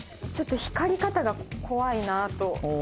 ちょっと光り方が怖いなと。